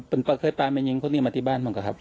อ่าเป็นเขาเคยปลาไม่ยิงเขาเนี่ยมาที่บ้านเหมือนกันครับ